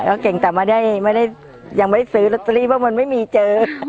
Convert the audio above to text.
แล้วเก่งจากยังไม่ได้ซื้อล็อตเตอรี่เพราะมันไม่มีเจอ